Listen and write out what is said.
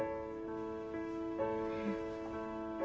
うん。